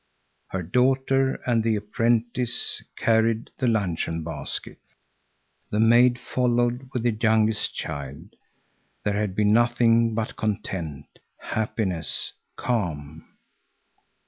Her daughter and the apprentice carried the luncheon basket. The maid followed with the youngest child. There had been nothing but content, happiness, calm.